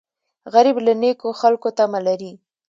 غریب له نیکو خلکو تمه لري